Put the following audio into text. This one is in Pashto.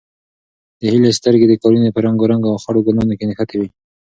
د هیلې سترګې د قالینې په رنګارنګ او خړو ګلانو کې نښتې وې.